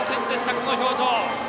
この表情。